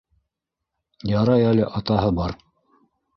Ярай әле атаһы бар.